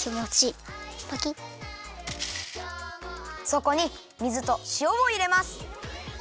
そこに水としおをいれます。